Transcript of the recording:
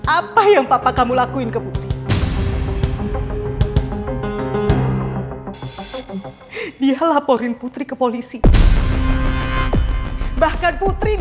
apa yang papa kamu lakuin ke putri